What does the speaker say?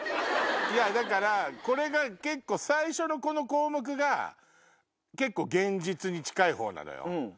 だからこれが最初の項目が結構現実に近い方なのよ。